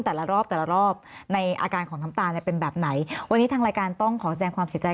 แต่ละรอบแต่ละรอบในอาการของน้ำตาลเนี่ยเป็นแบบไหนวันนี้ทางรายการต้องขอแสดงความเสียใจ